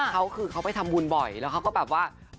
เขาคือเขาไปทำบุญบ่อยแล้วเขาก็แบบว่า